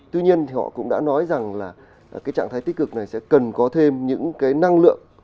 tuy nhiên thì họ cũng đã nói rằng là cái trạng thái tích cực này sẽ cần có thêm những cái năng lượng